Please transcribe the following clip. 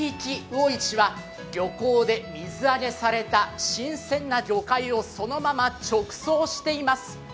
魚市は漁港で水揚げされた新鮮な魚介をそのまま直送しています。